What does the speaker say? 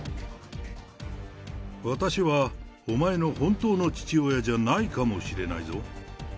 私はお前の本当の父親じゃないかもしれないぞ。